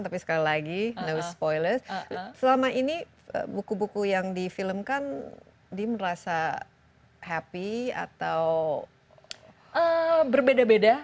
tapi sekali lagi no spoiler selama ini buku buku yang difilmkan di merasa happy atau berbeda beda